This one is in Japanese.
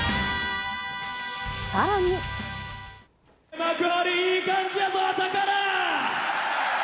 幕張、いい感じやぞ、朝から。